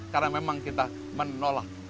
karena memang kita menolak